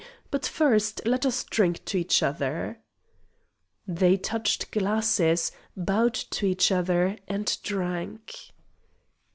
But first let us drink to each other." They touched glasses, bowed to each other, and drank.